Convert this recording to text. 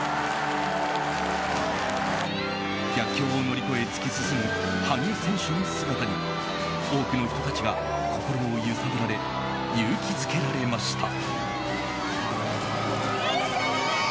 逆境を乗り越え突き進む羽生選手の姿に多くの人たちが心を揺さぶられ勇気づけられました。